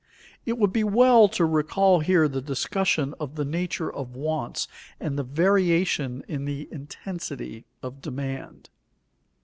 It would be well to recall here the discussion of the nature of wants and the variation in the intensity of demand.